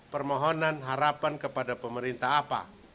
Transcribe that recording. permohonan harapan kepada pemerintah apa